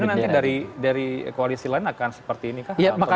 kemungkinan nanti dari koalisi lain akan seperti ini kah